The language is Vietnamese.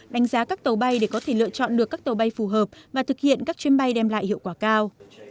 đánh giá các tàu bay để có thể lựa chọn được các tàu bay phù hợp và thực hiện các chuyến bay đem lại hiệu quả cao